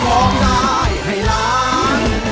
เพลงที่๓มูลค่า๔๐๐๐๐นะครับ